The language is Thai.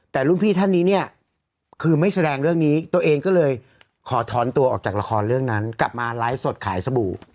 แต่รุ่นพี่ท่านนี้เนี่ยคือไม่แสดงเรื่องนี้ตัวเองก็เลยขอถอนตัวออกจากละครเรื่องนั้นกลับมาไลฟ์สดขายสบู่